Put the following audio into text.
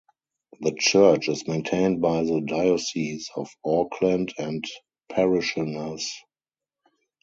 The church is maintained by the Diocese of Auckland and parishioners.